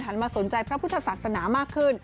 มาสนใจพระพุทธศาสนามากขึ้น